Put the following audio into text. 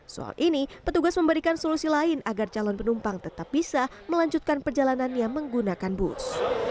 soal ini petugas memberikan solusi lain agar calon penumpang tetap bisa melanjutkan perjalanannya menggunakan bus